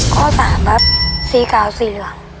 ข้อ๓ครับสีขาวสีเหลือง